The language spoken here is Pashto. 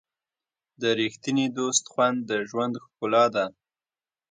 د ریښتیني دوست خوند د ژوند ښکلا ده.